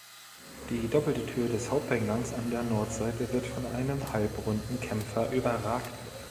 Die doppelte Tür des Haupteingangs an der Nordseite wird von einem halbrunden Kämpfer überragt.